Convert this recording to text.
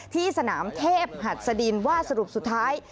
ที่สนามเทพหัสดินว่าสรุปสุดท้าย